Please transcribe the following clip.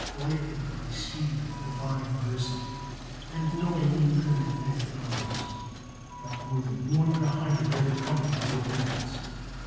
Lightly they speak of Divine mercy, and knowingly commit many crimes, not more than one in a hundred ever coming to repentance.